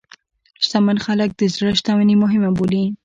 شتمن خلک د زړه شتمني مهمه بولي.